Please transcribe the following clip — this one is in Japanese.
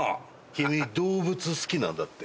君動物好きなんだって？